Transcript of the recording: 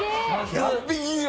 １００匹以上？